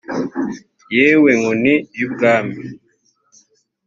yawe nkoni y ubwami